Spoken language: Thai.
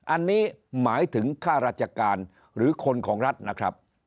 อันนี้หมายถึงค่าราชการหรือคนของรัฐนะครับ